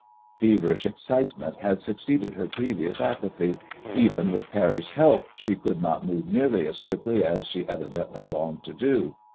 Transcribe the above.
Feverish excitement had suc ceeded her previous apathy. Even with Parry's help she could not move nearly as quickly as she evidently longed to do.